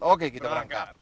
oke kita berangkat